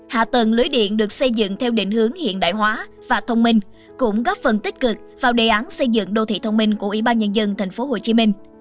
hạ tầng lưới điện được xây dựng theo định hướng hiện đại hóa và thông minh cũng góp phần tích cực vào đề an xây dựng đô thị thông minh của ủy ban nhân dân thành phố hồ chí minh